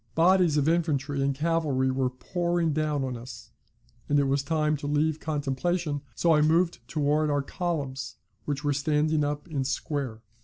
Bodies of infantry and cavalry were pouring down on us, and it was time to leave contemplation, so I moved towards our columns, which were standing up in square.